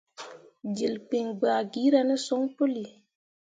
Jilkpiŋ gbah gira ne son puli.